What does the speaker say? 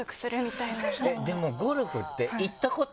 でもゴルフって行ったことあります？